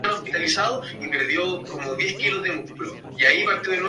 A un encantamiento con características negativas usualmente se le conoce como maldición.